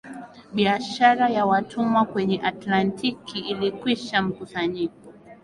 biashara ya watumwa kwenye Atlantiki ilikwish mkusanyiko